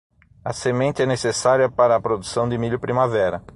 A semente é necessária para a produção de milho primavera.